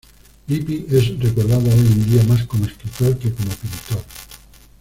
Lippi es recordado hoy en día más como escritor que como pintor.